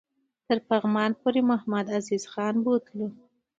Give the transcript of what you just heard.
تر پغمان پوري محمدعزیز خان بوتلو.